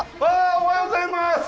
おはようございます。